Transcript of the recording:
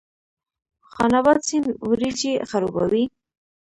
خان اباد سیند وریجې خړوبوي؟